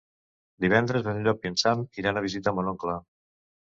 Divendres en Llop i en Sam iran a visitar mon oncle.